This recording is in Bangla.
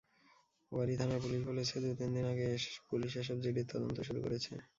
ওয়ারী থানার পুলিশ বলেছে, দু-তিন দিন আগে পুলিশ এসব জিডির তদন্ত শুরু করেছে।